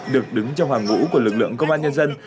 được đứng trong hàng ngũ của lực lượng công an nhân dân